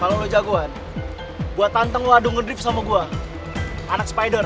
kalau lu jagoan gue tantang lu adu ngedrift sama gue anak spider